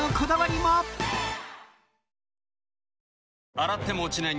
洗っても落ちない